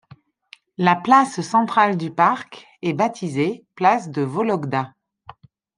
La place centrale du parc est baptisée place de Vologda.